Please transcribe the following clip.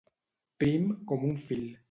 Prim com un fil.